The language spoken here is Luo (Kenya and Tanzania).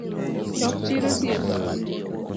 Chok chir osiepa.